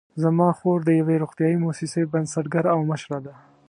زما خور د یوې روغتیايي مؤسسې بنسټګره او مشره ده